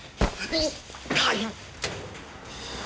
痛い！